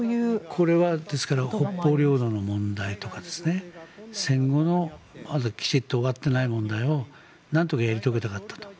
これは北方領土の問題とか戦後のきちんと終わっていない問題をなんとかやり遂げたかったと。